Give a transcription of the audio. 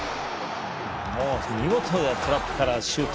見事なトラップからシュート。